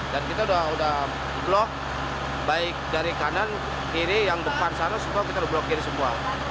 dan kita udah blok baik dari kanan kiri yang depan sana semua kita blokir semua